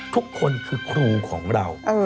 ทุกคนคือครูของเรา